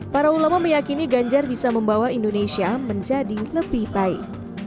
para ulama meyakini ganjar bisa membawa indonesia menjadi lebih baik